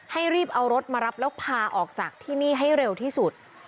รีบเอารถมารับแล้วพาออกจากที่นี่ให้เร็วที่สุด